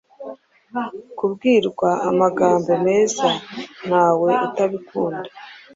kubwirwa amagambo meza ntawe utabikunda